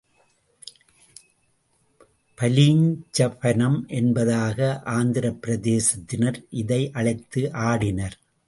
பலீஞ்சபனம் என்பதாக ஆந்திரப் பிரதேசத்தினர் இதை அழைத்து ஆடினர்.